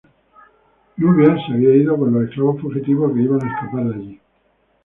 Nubia se había ido con los esclavos fugitivos que iban a escapar de allí.